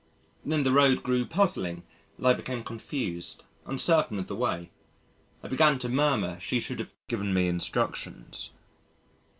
Then the road grew puzzling and I became confused, uncertain of the way. I began to murmur she should have given me instructions.